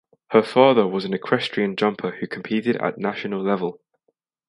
Her father was an equestrian jumper who competed at national level.